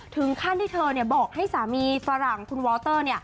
ถึงขั้นที่เธอบอกให้สามีฝรั่งคุณวอลเตอร์